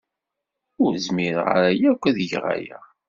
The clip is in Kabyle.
Ur zmireɣ ara akk ad geɣ aya.